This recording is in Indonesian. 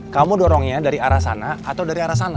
kamu dorongnya dari arah sana atau dari arah sana